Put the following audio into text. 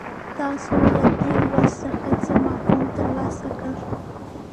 تاسو له دې لوست څخه څه مفهوم ترلاسه کړ.